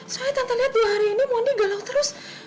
soalnya tante lihat ya hari ini mondi galau terus